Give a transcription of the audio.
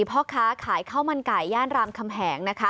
พ่อค้าขายข้าวมันไก่ย่านรามคำแหงนะคะ